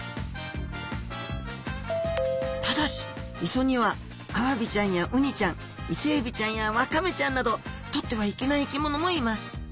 ただし磯にはアワビちゃんやウニちゃんイセエビちゃんやワカメちゃんなどとってはいけない生き物もいます。